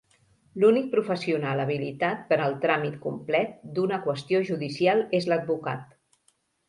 L'únic professional habilitat per al tràmit complet d'una qüestió judicial és l'advocat.